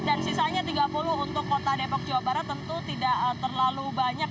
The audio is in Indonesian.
dan sisanya tiga puluh untuk kota depok jawa barat tentu tidak terlalu banyak